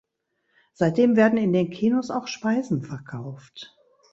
Seitdem werden in den Kinos auch Speisen verkauft.